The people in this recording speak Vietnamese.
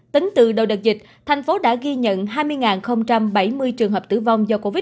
tính từ đầu đợt dịch tp hcm đã ghi nhận hai mươi bảy mươi trường hợp tử vong do covid một mươi chín